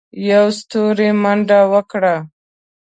يوه ستوري منډه وکړه.